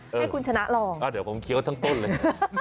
ให้คุณชนะลองเดี๋ยวผมเคี้ยวทั้งต้นเลย